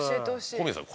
小宮さん